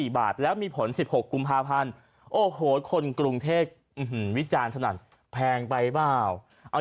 บาทแล้วมีผล๑๖กุมภาพันธ์โอ้โหคนกรุงเทพวิจารณ์สนั่นแพงไปเปล่าเอา